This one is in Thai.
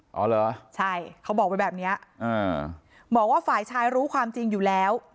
อ๋อเหรอใช่เขาบอกไว้แบบเนี้ยอ่าบอกว่าฝ่ายชายรู้ความจริงอยู่แล้ว